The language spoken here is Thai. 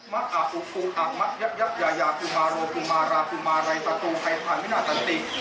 มะกะปุกปุหักมะยับยับยายาทุมารโคมาราทุมารัยตะตูไขพันธ์มินาศัลติก